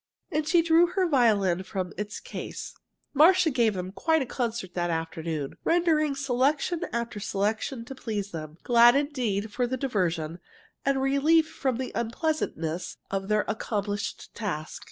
And she drew her violin from its case. Marcia gave them quite a concert that afternoon, rendering selection after selection to please them, glad indeed of the diversion and relief from the unpleasantness of their accomplished task.